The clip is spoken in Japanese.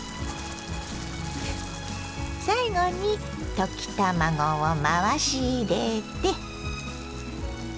最後に溶き卵を回し入れて。